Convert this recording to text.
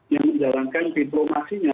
yang menjalankan diplomasinya